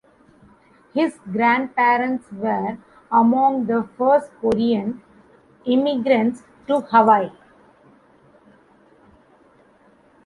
His grandparents were among the first Korean immigrants to Hawaii.